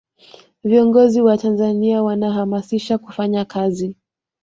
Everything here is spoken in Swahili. viongozi wa tanzania wanahamasisha kufanya kazi